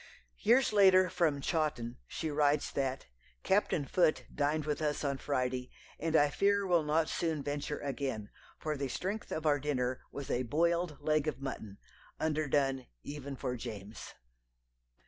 Years later, from Chawton, she writes that: "Captain Foote dined with us on Friday, and I fear will not soon venture again, for the strength of our dinner was a boiled leg of mutton, underdone even for James."